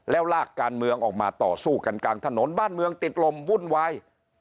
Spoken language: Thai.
แล้วลากการเมืองออกมาต่อสู้กันกลางถนนบ้านเมืองติดลมวุ่นวาย